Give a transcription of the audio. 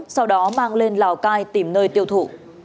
sau đó mang lên lào cai tìm nơi tiêu thụ